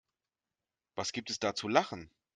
Was gibt es da zu lachen?